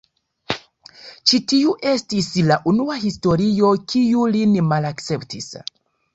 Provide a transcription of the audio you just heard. Ĉi tiu estis la unua historio kiu lin malakceptis.